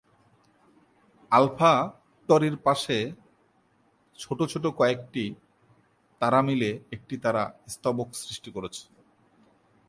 আলফা-টরির পাশে ছোট ছোট কয়েকটি তারা মিলে একটি তারা স্তবক সৃষ্টি করেছে।